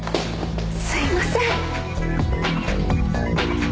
すみません。